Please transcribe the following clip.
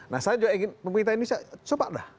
nah saya juga ingin pemerintah indonesia coba dah